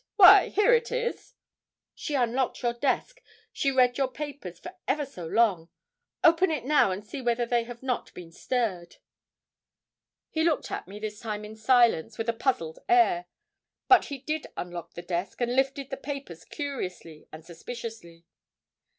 Why here it is!' 'She unlocked your desk; she read your papers for ever so long. Open it now, and see whether they have not been stirred.' He looked at me this time in silence, with a puzzled air; but he did unlock the desk, and lifted the papers curiously and suspiciously.